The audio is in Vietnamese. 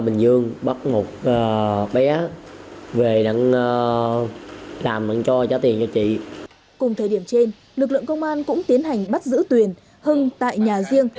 cùng thời điểm trên lực lượng công an cũng tiến hành bắt giữ tuyền hưng tại nhà riêng